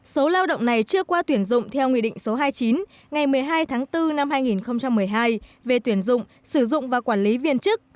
số lao động này chưa qua tuyển dụng theo nghị định số hai mươi chín ngày một mươi hai tháng bốn năm hai nghìn một mươi hai về tuyển dụng sử dụng và quản lý viên chức